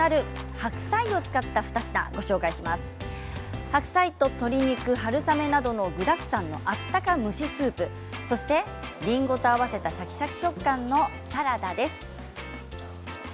白菜と鶏肉、春雨などの具だくさんの温か蒸しスープそしてりんごと合わせたシャキシャキ食感のサラダです。